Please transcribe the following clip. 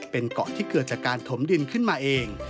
เป็นเกาะที่เกิดจากการถมดินขึ้นมาเอง